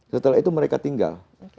setelah itu mereka tinggal